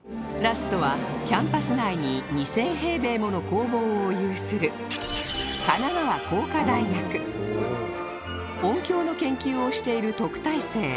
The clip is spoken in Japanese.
ラストはキャンパス内に２０００平米もの工房を有する音響の研究をしている特待生